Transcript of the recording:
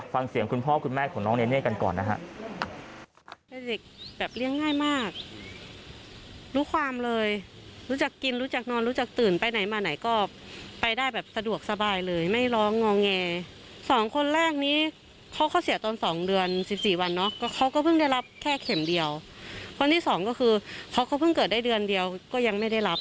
ฟังเสียงคุณพ่อคุณแม่ของน้องแน่กันก่อนนะครับ